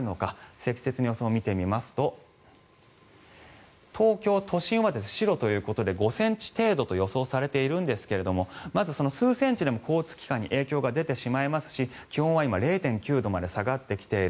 積雪の予想を見てみますと東京都心は白ということで５ｃｍ程度と予想されているんですがまず数センチでも交通機関に影響が出てしまいますし気温は今、０．９度まで下がってきている。